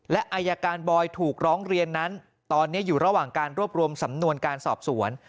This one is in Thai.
และอายการบอยถูกร้องเรียนนั้นตอนนี้อยู่ระหว่างการรวบรวมสำนวนการสอบสวน